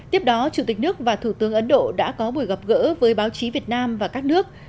tiếp đó chủ tịch nước và thủ tướng ấn độ đã có buổi gặp gỡ với báo chí việt nam và các nước